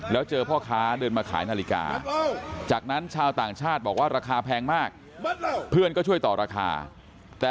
แล้วเจอพ่อค้าเดินมาขายนาฬิกา